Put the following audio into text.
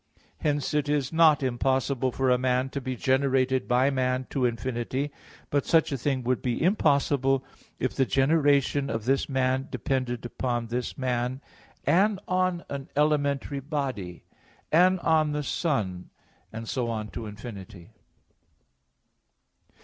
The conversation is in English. Hence it is not impossible for a man to be generated by man to infinity; but such a thing would be impossible if the generation of this man depended upon this man, and on an elementary body, and on the sun, and so on to infinity.